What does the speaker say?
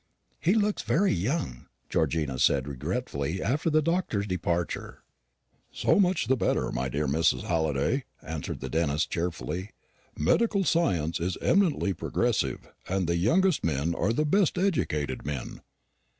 "He looks very young," Georgina said regretfully, after the doctor's departure. "So much the better, my dear Mrs. Halliday," answered the dentist cheerfully; "medical science is eminently progressive, and the youngest men are the best educated men."